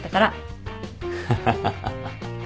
ハハハハ。